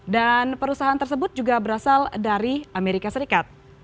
dan perusahaan tersebut juga berasal dari amerika serikat